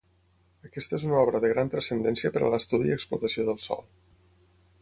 Aquesta és una obra de gran transcendència per a l'estudi i explotació del sòl.